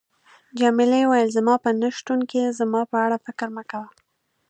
جميلې وويل: زما په نه شتون کې زما په اړه فکر مه کوه.